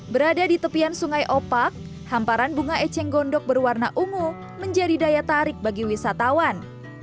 berada di tepian sungai opak hamparan bunga eceng gondok berwarna ungu menjadi daya tarik bagi wisatawan